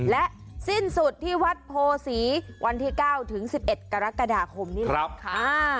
และสิ้นสุดที่วัดโพศีวันที่๙ถึง๑๑กรกฎาคมนี่แหละค่ะ